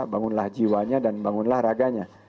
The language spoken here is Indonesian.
bangunlah jiwanya dan bangunlah raganya